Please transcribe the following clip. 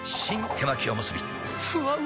手巻おむすびふわうま